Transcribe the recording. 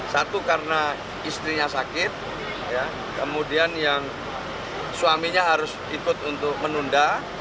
satu karena istrinya sakit kemudian yang suaminya harus ikut untuk menunda